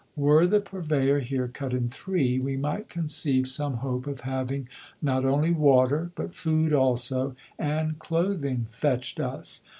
Were the Purveyor here cut in three, we might conceive some hope of having not only water, but food also, and clothing fetched us.